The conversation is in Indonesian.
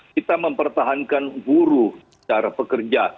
kita mempertahankan guru cara pekerja